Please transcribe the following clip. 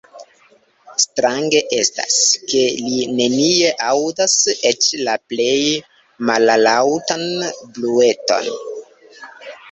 Strange estas, ke li nenie aŭdas eĉ la plej mallaŭtan brueton.